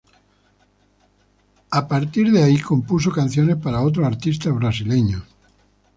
A partir de ahí compuso canciones paras otros artistas brasileños.